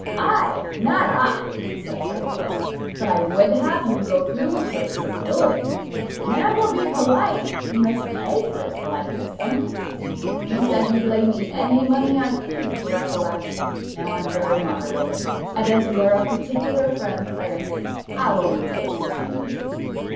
"I!' not I," said Sir Philip; "but I would have you go through with your civility: if a man will be polite, he must pay for his politeness sometimes. You said you'd lay me any money I pleased, recollect now I'm very moderate and as you are a particular friend, Clarence, I'll only take your ten guineas."